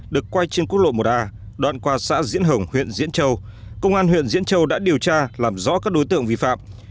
được quay trên quốc lộ một a đoạn qua xã diễn hồng huyện diễn châu công an huyện diễn châu đã điều tra làm rõ các đối tượng vi phạm